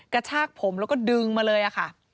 กระชากผมแล้วก็ดึงมาเลยค่ะ